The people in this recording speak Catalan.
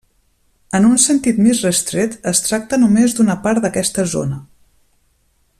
En un sentit més restret, es tracta només d'una part d'aquesta zona.